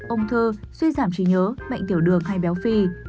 ung thư suy giảm trí nhớ bệnh tiểu đường hay béo phì